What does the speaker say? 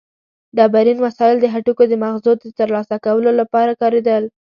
ډبرین وسایل د هډوکو د مغزو د ترلاسه کولو لپاره کارېدل.